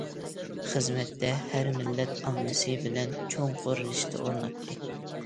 خىزمەتتە ھەر مىللەت ئاممىسى بىلەن چوڭقۇر رىشتە ئورناتتى.